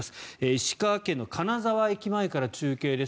石川県の金沢駅前から中継です。